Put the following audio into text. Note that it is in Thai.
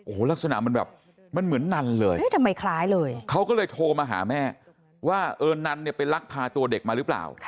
โอ้โหลักษณะมันแบบมันเหมือนนันเลยทำไมคล้ายเลยเขาก็เลยโทรมาหาแม่ว่าเออนันเนี่ยไปลักพาตัวเด็กมาหรือเปล่า